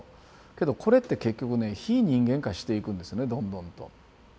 けどこれって結局ね非人間化していくんですねどんどんと。